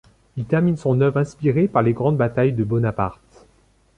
Il termine son œuvre inspiré par les grandes batailles de Bonaparte.